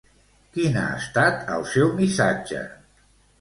Quin ha estat el seu missatge?